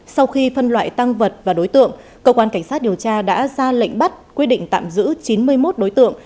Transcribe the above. sau khi phân loại tăng vật và đối tượng cơ quan cảnh sát điều tra đã ra lệnh bắt quy định tạm giữ chín mươi một đối tượng